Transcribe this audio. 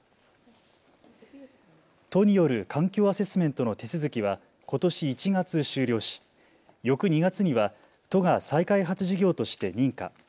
都による環境アセスメントの手続きはことし１月、終了し翌２月には都が再開発事業として認可。